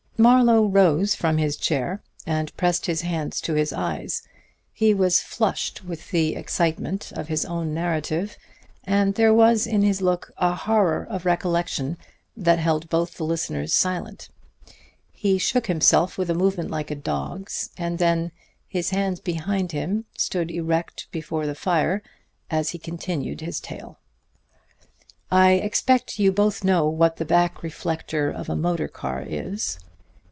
Marlowe rose from his chair and pressed his hands to his eyes. He was flushed with the excitement of his own narrative, and there was in his look a horror of recollection that held both the listeners silent. He shook himself with a movement like a dog's, and then, his hands behind him, stood erect before the fire as he continued his tale. "I expect you both know what the back reflector of a motor car is."